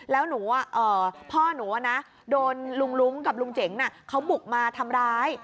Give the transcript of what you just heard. แล้วหนูว่าพ่อหนูว่านะโดนลุงกับลุงเจ๋งน่ะเขาบุกมาทำร้าย